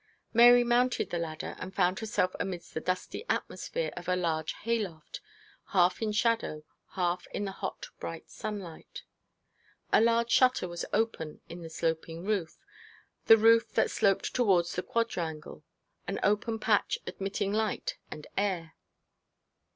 Mary mounted the ladder, and found herself amidst the dusty atmosphere of a large hayloft, half in shadow, half in the hot bright sunlight. A large shutter was open in the sloping roof, the roof that sloped towards the quadrangle, an open patch admitting light and air.